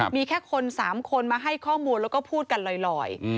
มีแค่คน๓คนมาให้ข้อมูลแล้วก็พูดกันลอย